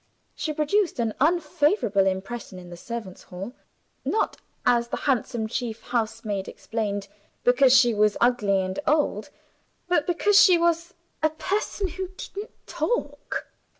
She produced an unfavorable impression in the servants' hall not (as the handsome chief housemaid explained) because she was ugly and old, but because she was "a person who didn't talk."